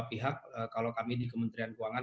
pihak kalau kami di kementerian keuangan